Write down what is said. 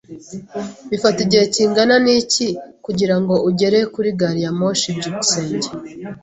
Bifata igihe kingana iki kugirango ugere kuri gari ya moshi? byukusenge